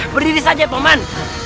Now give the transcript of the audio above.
berdiri saja paman